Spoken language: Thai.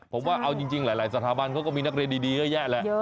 ผมว่าเอาจริงหลายสถาบันเขาก็มีนักเรียนดีเยอะแยะแหละ